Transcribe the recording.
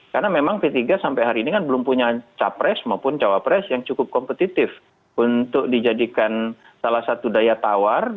karena memang p tiga sampai hari ini kan belum punya capres maupun cawapres yang cukup kompetitif untuk dijadikan salah satu daya tawar